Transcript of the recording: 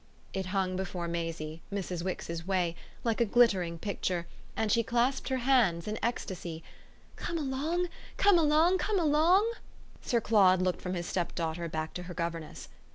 It hung before Maisie, Mrs. Wix's way, like a glittering picture, and she clasped her hands in ecstasy. "Come along, come along, come along!" Sir Claude looked from his stepdaughter back to her governess.